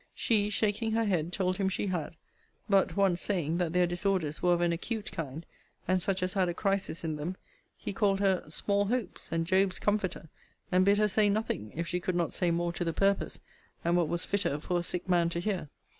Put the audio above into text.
She, shaking her head, told him she had; but, once saying, that their disorders were of an acute kind, and such as had a crisis in them, he called her Small hopes, and Job's comforter; and bid her say nothing, if she could not say more to the purpose, and what was fitter for a sick man to hear.